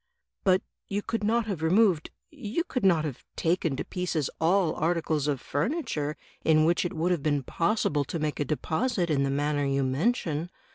"But you could not have removed — ^you could not have taken to pieces all articles of furniture in which it would have been possible to make a deposit in the manner you mention.